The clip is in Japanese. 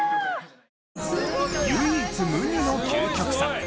唯一無二の究極さ。